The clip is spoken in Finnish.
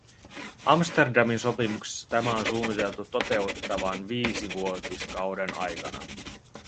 Amsterdamin sopimuksessa tämä on suunniteltu toteuttavan viisivuotiskauden aikana.